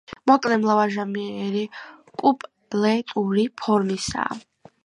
მოკლე მრავალჟამიერი კუპლეტური ფორმისაა.